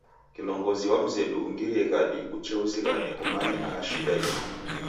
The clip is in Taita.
Kilongozi wa mzedu ungirie ghadi uche uzighane umanye aha shida iko.